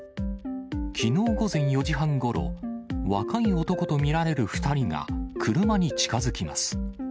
きのう午前４時半ごろ、若い男と見られる２人が、車に近づきます。